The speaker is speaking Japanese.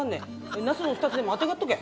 梨の２つでもあてがっとけ